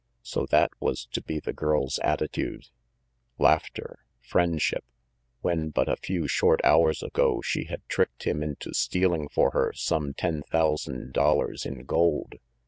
So that was to be the girl's attitude? Laughter, 284 RANGY PETE friendship, when but a few short hours ago she had tricked him into stealing for her some ten thousand dollars in gold!